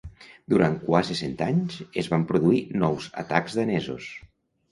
Durant quasi cent anys es van produir nous atacs danesos.